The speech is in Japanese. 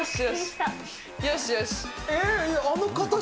よしよし。